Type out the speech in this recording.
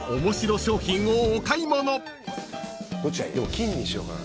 金にしようかな。